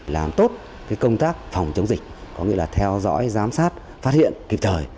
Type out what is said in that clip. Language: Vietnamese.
làm tốt công tác phòng chống dịch có nghĩa là theo dõi giám sát phát hiện kịp thời